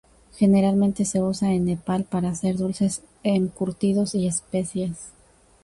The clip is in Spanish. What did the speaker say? Generalmente se usa en Nepal para hacer dulces encurtidos y especias.